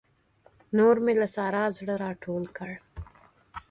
نور مې له سارا زړه راټول کړ.